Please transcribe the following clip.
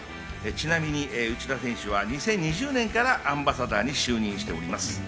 ちなみに内田選手は２０１２年からアンバサダーに就任しております。